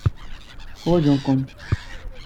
Ḥwajen-kent.